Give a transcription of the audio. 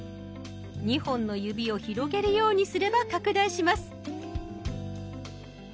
２本の指を広げるようにすれば拡大します。